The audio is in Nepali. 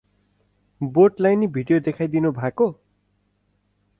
बोटलाई नि भिडियो देखाइदिनु भाको?